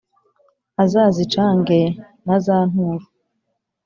azazicange na za nturo